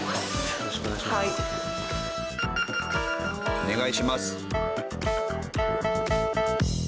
お願いします。